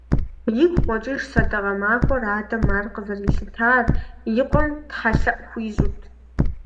Игу къокӀыж сэдэкъэ махуэр… Адэм ар къызэрилъытэр и къуэм тхьэлъэӀу хуищӀут.